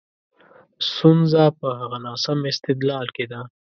ستونزه په هغه ناسم استدلال کې ده.